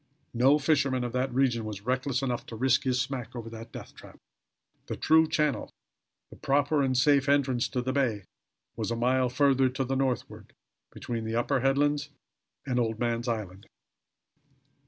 No fisherman of that region was reckless enough to risk his smack over that death trap. The true channel, the proper and safe entrance to the bay, was a mile further to the northward, between the upper headland and Old Man's Island.